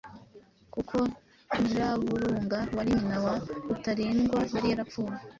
kuko Nyiraburunga wari nyina wa Rutalindwa yari yarapfuye.